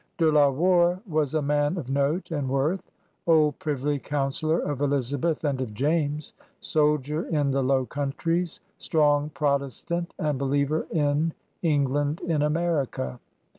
De La Warr was a man of note and worth, old privy councilor of Elizabeth and of James, soldier in the Low Countries, strong Protestant and believer in England in America.